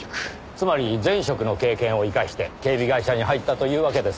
つまり前職の経験を生かして警備会社に入ったというわけですか。